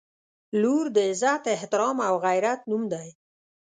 • لور د عزت، احترام او غیرت نوم دی.